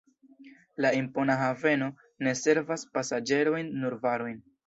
La impona haveno ne servas pasaĝerojn, nur varojn.